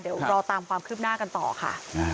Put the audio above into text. เดี๋ยวรอตามความคืบหน้ากันต่อค่ะ